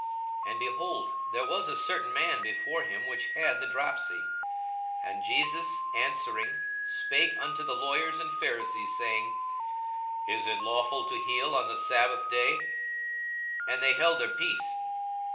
42:014:002 And, behold, there was a certain man before him which had the dropsy. 42:014:003 And Jesus answering spake unto the lawyers and Pharisees, saying, Is it lawful to heal on the sabbath day? 42:014:004 And they held their peace.